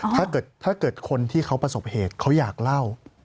ถ้าเกิดคนที่เขาประสบเหตุเขาอยากเล่า